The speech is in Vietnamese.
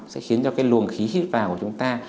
sẽ khiến cho cái luồng khí hít vào của chúng ta